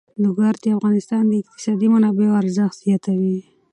لوگر د افغانستان د اقتصادي منابعو ارزښت زیاتوي.